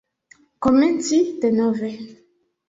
Komenci denove.